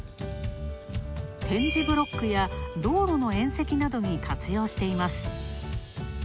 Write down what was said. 点字ブロックや道路の縁石などに活用しています。